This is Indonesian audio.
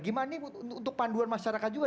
gimana untuk panduan masyarakat juga